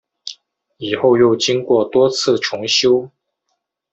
以后又经过多次重修。